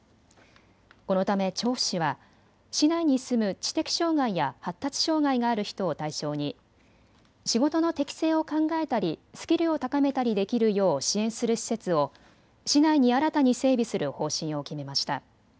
このため調布市は市内に住む知的障害や発達障害がある人を対象に仕事の適性を考えたり、スキルを高めたりできるよう支援する施設を市内に新たに整備する方針を決めました。